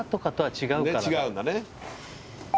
違うんだね。